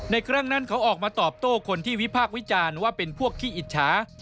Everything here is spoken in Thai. ครั้งนั้นเขาออกมาตอบโต้คนที่วิพากษ์วิจารณ์ว่าเป็นพวกขี้อิจฉา